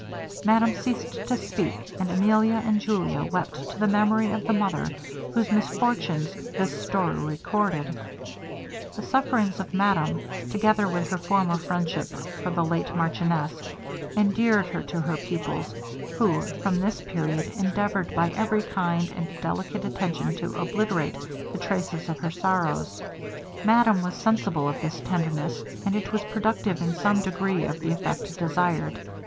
Madame ceased to speak, and Emilia and Julia wept to the memory of the mother, whose misfortunes this story recorded. The sufferings of madame, together with her former friendship for the late marchioness, endeared her to her pupils, who from this period endeavoured by every kind and delicate attention to obliterate the traces of her sorrows. Madame was sensible of this tenderness, and it was productive in some degree of the effect desired.